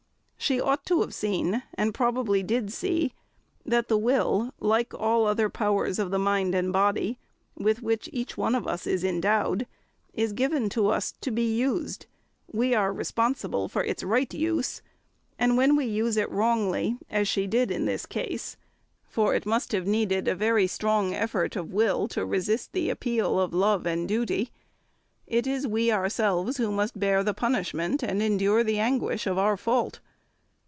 She ought to have seen, and probably did see, that the will, like all other powers of the mind and body, with which each one of us is endowed, is given to us to be used; we are responsible for its right use, and when we use it wrongly, as she did in this case (for it must have needed a very strong effort of will to resist the appeal of love and duty), it is we ourselves who must bear the punishment and endure the anguish of our fault.